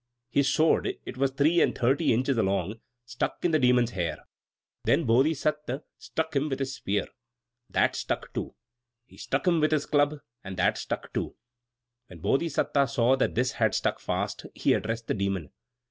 His sword it was three and thirty inches long stuck in the Demon's hair! The Bodhisatta struck him with his spear that stuck too! He struck him with his club and that stuck too! When the Bodhisatta saw that this had stuck fast, he addressed the Demon.